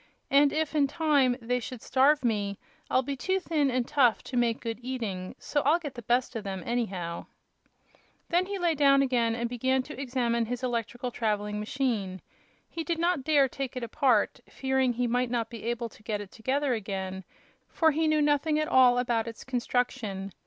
And if, in time, they should starve me, I'll be too thin and tough to make good eating; so I'll get the best of them, anyhow." Then he again lay down and began to examine his electrical traveling machine. He did not dare take it apart, fearing he might not be able to get it together again, for he knew nothing at all about its construction.